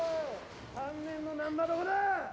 ・３年の難破どこだ！